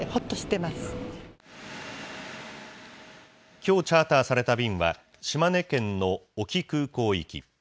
きょうチャーターされた便は、島根県の隠岐空港行き。